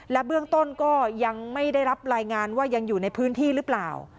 เบื้องต้นก็ยังไม่ได้รับรายงานว่ายังอยู่ในพื้นที่หรือเปล่า